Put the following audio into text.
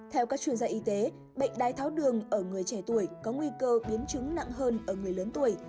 theo các chuyên gia y tế bệnh đái tháo đường ở người trẻ tuổi có nguy cơ biến chứng nặng hơn ở người lớn tuổi